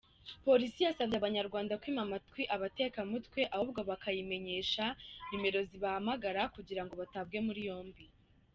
Polisi yasabye Abanyarwanda kwima amatwi abatekamutwe ahubwo bakayimenyesha nimero zibahamagara kugirango batabwe muri yombi.